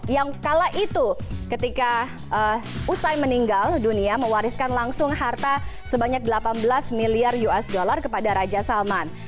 yang kala itu ketika usai meninggal dunia mewariskan langsung harta sebanyak delapan belas miliar usd kepada raja salman